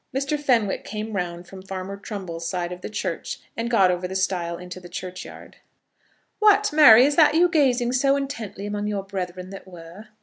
[Illustration: Mr. Fenwick came round from Farmer Trumbull's side of the church, and got over the stile into the churchyard.] "What, Mary, is that you gazing in so intently among your brethren that were?"